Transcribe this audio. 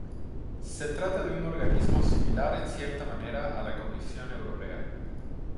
Se trata de un organismo similar en cierta manera a la Comisión Europea.